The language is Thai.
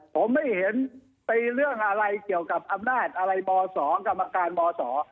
ผมไม่เห็นไปเรื่องอะไรเกี่ยวกับอำนาจอะไรม๒กรรมการมศ